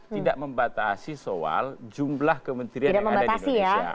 tidak membatasi soal jumlah kementerian yang ada di indonesia